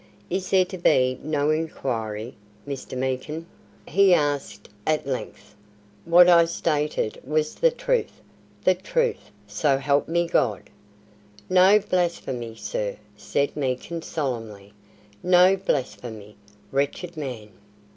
"Is there to be no inquiry, Mr. Meekin?" he asked, at length. "What I stated was the truth the truth, so help me God!" "No blasphemy, sir," said Meekin, solemnly. "No blasphemy, wretched man.